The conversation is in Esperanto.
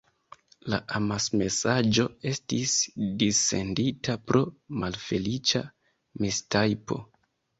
La amasmesaĝo estis dissendita pro malfeliĉa mistajpo.